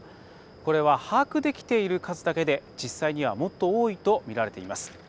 これは、把握できている数だけで実際には、もっと多いとみられています。